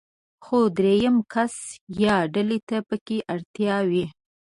خو درېم کس يا ډلې ته پکې اړتيا وي.